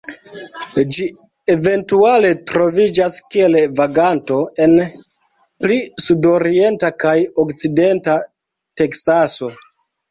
Ĝi eventuale troviĝas kiel vaganto en pli sudorienta kaj okcidenta Teksaso.